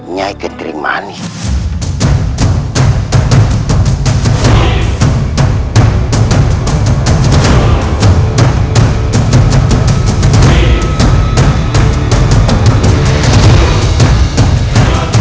nyai kering manis